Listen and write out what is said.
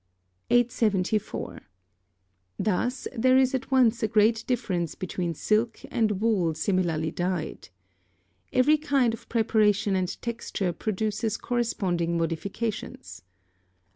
874. Thus, there is at once a great difference between silk and wool similarly dyed. Every kind of preparation and texture produces corresponding modifications.